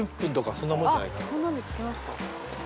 そんなんで着きますか？